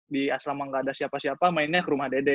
di asrama nggak ada siapa siapa mainnya ke rumah dede